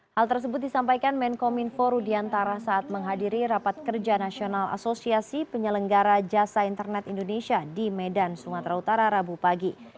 hal tersebut disampaikan menkominfo rudiantara saat menghadiri rapat kerja nasional asosiasi penyelenggara jasa internet indonesia di medan sumatera utara rabu pagi